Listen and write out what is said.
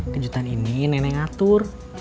kejutan ini nenek ngatur